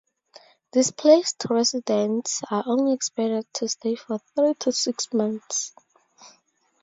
Displaced residents are only expected to stay for three to six months.